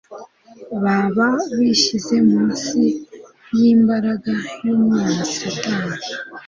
baba bishyize munsi y'imbaraga y'umwanzi Satani.